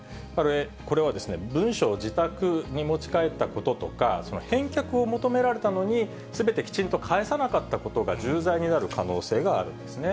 これは文書を自宅に持ち帰ったこととか、返却を求められたのにすべてきちんと返さなかったことが重罪になる可能性があるんですね。